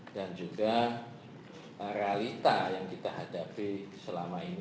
dan juga realita yang kita hadapi selama ini